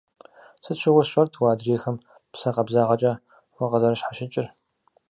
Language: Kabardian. Сыт щыгъуи сщӀэрт уэ адрейхэм псэ къабзагъэкӀэ уакъызэрыщхьэщыкӀыр.